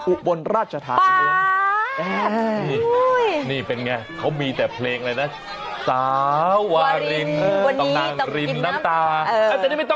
อุ๊ยนี่แหละครับ